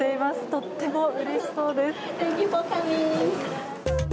とてもうれしそうです。